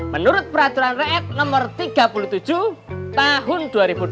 menurut peraturan re'et nomor tiga puluh tujuh tahun dua ribu dua puluh satu